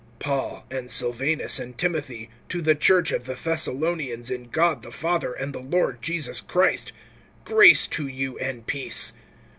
PAUL, and Silvanus, and Timothy, to the church of the Thessalonians in God the Father and the Lord Jesus Christ: Grace to you, and peace.